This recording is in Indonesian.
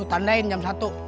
lu tandain jam satu